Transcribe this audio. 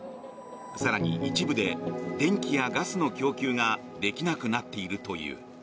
更に、一部で電気やガスの供給ができなくなっているという。